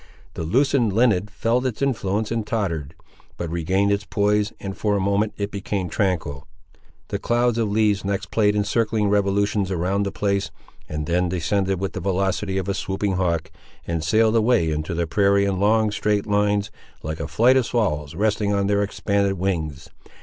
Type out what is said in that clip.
The loosened linen felt its influence and tottered; but regained its poise, and, for a moment, it became tranquil. The cloud of leaves next played in circling revolutions around the place, and then descended with the velocity of a swooping hawk, and sailed away into the prairie in long straight lines, like a flight of swallows resting on their expanded wings.